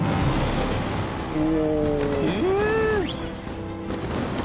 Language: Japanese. お！